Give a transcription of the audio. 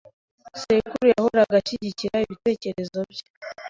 Sekuru yahoraga ashyigikira ibitekerezo bye .